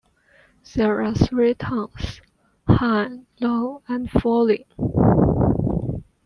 There are three tones: high, low and falling.